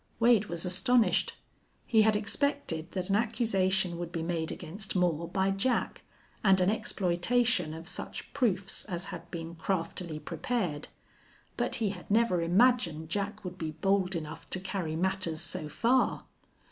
Wade was astonished. He had expected that an accusation would be made against Moore by Jack, and an exploitation of such proofs as had been craftily prepared, but he had never imagined Jack would be bold enough to carry matters so far.